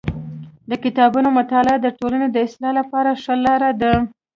د کتابونو مطالعه د ټولني د اصلاح لپاره ښه لار ده.